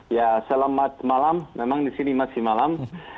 ya selamat malam memang di sini masih malam